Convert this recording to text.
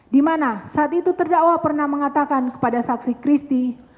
di mana saat itu terdakwa pernah mengatakan kepada saksi christie